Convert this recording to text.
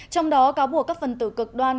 trong đó cáo buộc các phần tử cực đoan